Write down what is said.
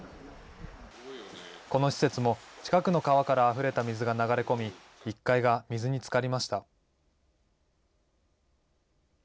この施設も近くの川からあふれた水が流れ込み、１階が水につかりました。